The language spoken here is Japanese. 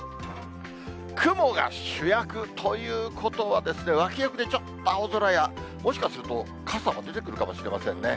雲が主役ということは、脇役でちょっと青空や、もしかすると傘も出てくるかもしれませんね。